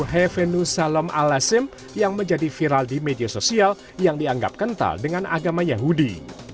hevenu salom alasim yang menjadi viral di media sosial yang dianggap kental dengan agama yahudi